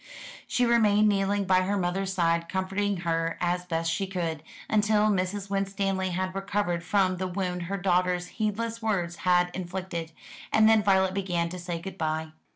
She remained kneeling by her mother's side comforting her as best she could, until Mrs. Winstanley had recovered from the wound her daughter's heedless words had inflicted, and then Violet began to say good bye.